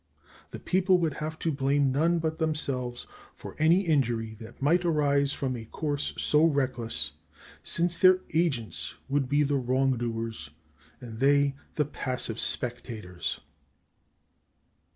The people would have to blame none but themselves for any injury that might arise from a course so reckless, since their agents would be the wrongdoers and they the passive spectators.